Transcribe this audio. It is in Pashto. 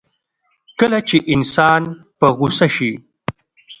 کله چې انسان په غوسه شي.